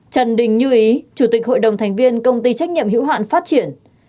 trần đình như ý chủ tịch hội đồng thành viên công ty trách nhiệm hữu hạn phát triển